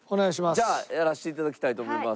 じゃあやらせて頂きたいと思います。